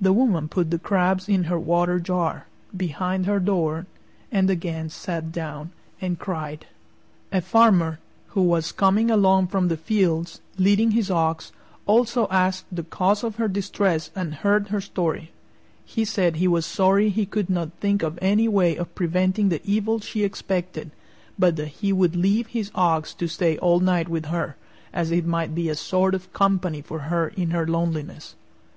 The woman put the crabs in her water jar, behind her door, and again sat down and cried. A Farmer, who was coming along from the fields, leading his ox, also asked the cause of her distress and heard her story. He said he was sorry he could not think of any way of preventing the evil she expected, but that he would leave his ox to stay all night with her, as it might be a sort of company for her in her loneliness.